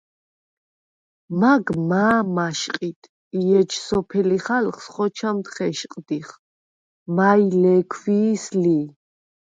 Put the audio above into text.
მაგ მა̄ მაშყიდ ი ეჯ სოფლი ხალხს ხოჩამდ ხეშყდიხ, მაჲ ლე̄ქვი̄ს ლი.